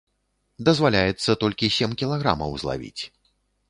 Дазваляецца толькі сем кілаграмаў злавіць.